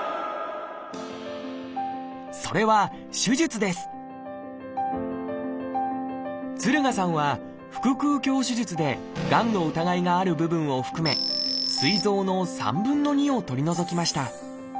それは「手術」です敦賀さんは腹腔鏡手術でがんの疑いがある部分を含めすい臓の３分２を取り除きました。